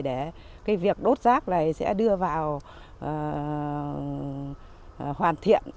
để cái việc đốt rác này sẽ đưa vào hoàn thiện